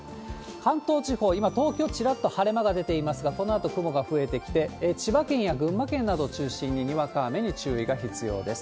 関東地方、今、東京ちらっと晴れ間が出ていますが、このあと雲が増えてきて、千葉県や群馬県などを中心ににわか雨に注意が必要です。